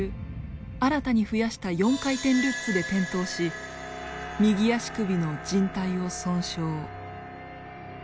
新たに増やした４回転ルッツで転倒し右足首のじん帯を損傷。